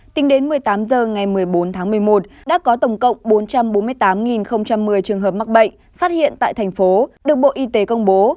tính đến một mươi tám h ngày một mươi bốn tháng một mươi một đã có tổng cộng bốn trăm bốn mươi tám một mươi trường hợp mắc bệnh phát hiện tại thành phố được bộ y tế công bố